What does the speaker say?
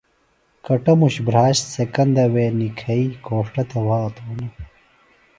کٹموش بھراش سےۡ کندہ وے نِکھئیۡ گھوݜٹہ تھےۡ وھاتوۡ ہنوۡ